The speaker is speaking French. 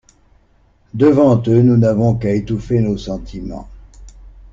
Devant eux, nous n'avons qu'à étouffer nos sentiments!